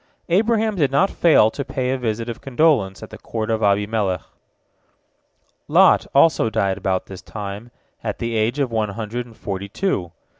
Abraham did not fail to pay a visit of condolence at the court of Abimelech. Lot also died about this time, at the age of one hundred and forty two.